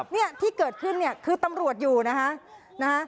นี่ที่เกิดขึ้นคือตำรวจอยู่นะคะ